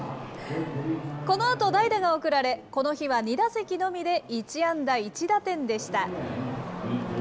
このあと代打が送られ、この日は２打席のみで１安打１打点でした。